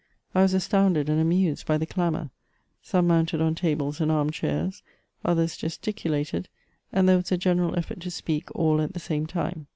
I was astounded and amused by the clamour. Some mounted on tables and arm chairs ; others gesticulated ; and there was a general effort to speak all at the same time.